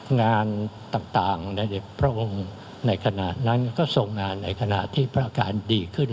งานต่างในพระองค์ในขณะนั้นก็ทรงงานในขณะที่พระอาการดีขึ้น